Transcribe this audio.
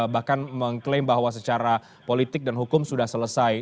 bahkan mengklaim bahwa secara politik dan hukum sudah selesai